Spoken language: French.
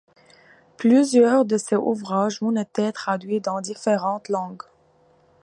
Plusieurs de ses ouvrages ont été traduits dans différentes langues.